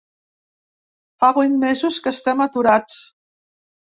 Fa vuit mesos que estem aturats.